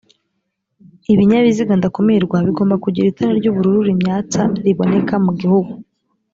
ibinyabiziga ndakumirwa bigomba kugira itara ry ubururu rimyatsa riboneka mugihugu